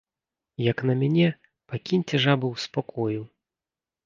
Як на мяне, пакіньце жабы ў спакою!